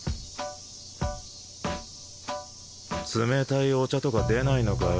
冷たいお茶とか出ないのかよ